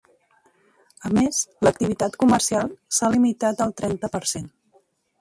A més, l’activitat comercial s’ha limitat al trenta per cent.